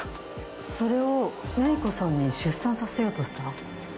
それを芽衣子さんに出産させようとした？